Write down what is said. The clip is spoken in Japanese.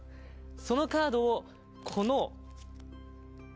そのカードをこの。